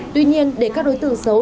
tuy nhiên để các đối tượng xấu